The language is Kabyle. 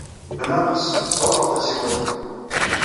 Bnaqes, sṛuḥeɣ tasiwant-inu.